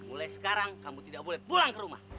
mulai sekarang kamu tidak boleh pulang ke rumah